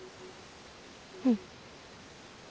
うん。